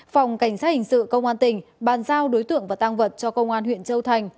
phòng cảnh sát hình sự công an tỉnh bàn giao đối tượng và tăng vật cho công an huyện châu thành